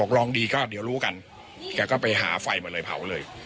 ลองดีก็เดี๋ยวรู้กันแกก็ไปหาไฟมาเลยเผาเลย